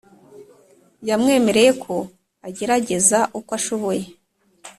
yamwemereye ko agerageza uko ashoboye